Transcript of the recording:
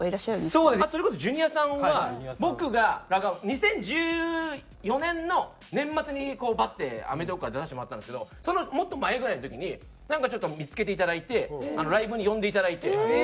それこそジュニアさんは僕が２０１４年の年末にこうバッて『アメトーーク』から出させてもらったんですけどそのもっと前ぐらいの時にちょっと見付けていただいてライブに呼んでいただいて。